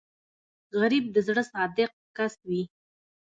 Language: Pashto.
غریب د زړه صادق کس وي